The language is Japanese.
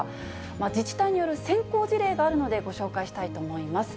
自治体による先行事例があるので、ご紹介したいと思います。